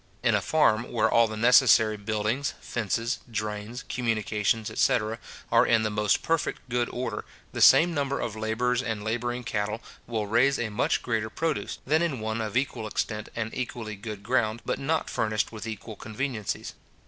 In a farm where all the necessary buildings, fences, drains, communications, etc. are in the most perfect good order, the same number of labourers and labouring cattle will raise a much greater produce, than in one of equal extent and equally good ground, but not furnished with equal conveniencies.